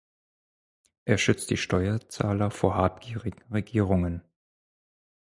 Er schützt die Steuerzahler vor habgierigen Regierungen.